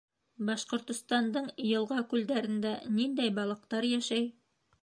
Башҡортостандың йылға, күлдәрендә ниндәй балыҡтар йәшәй?